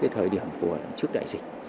thời điểm của trước đại dịch